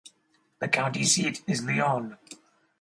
The county seat is Leon.